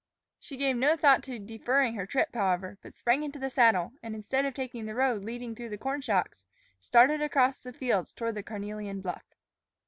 She gave no thought to deferring her trip, however, but sprang into the saddle, and instead of taking the road leading through the corn shocks, started across the fields toward the carnelian bluff.